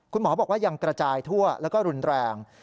คุณหมอบอกว่ายังกระจายทั่วแล้วก็รุนแรง